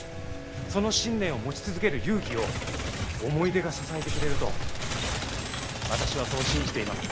その信念を持ち続ける勇気を思い出が支えてくれると私はそう信じています。